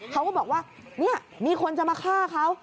เขาก็บอกว่านี่มีคนจะมาฆ่าเขา